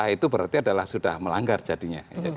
itu berarti adalah sudah melanggar jadinya